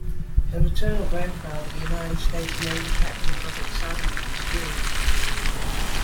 Her maternal grandfather, United States Navy Captain Robert Salomon, was Jewish.